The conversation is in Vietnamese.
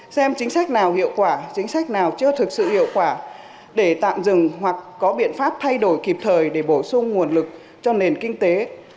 xem chính sách nào hiệu quả chính sách nào chưa thực sự hiệu quả để tạm dừng hoặc có biện pháp thay đổi kịp thời để bổ sung nguồn lực cho nền kinh tế